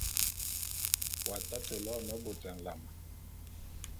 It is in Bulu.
W'atate loene bôt nlam.